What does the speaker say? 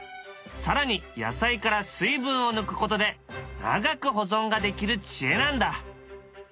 更に野菜から水分を抜くことで長く保存ができる知恵なんだ。